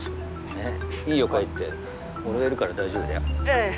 えっいいよ帰って俺がいるから大丈夫だよいえ